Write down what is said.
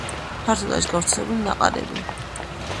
ფართოდ არის გავრცელებული ნაყარები.